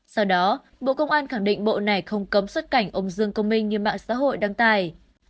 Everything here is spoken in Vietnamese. sau đó bộ công an khẳng định bộ này không cấm xuất cảnh ông dương công minh như mạng xã hội đăng tài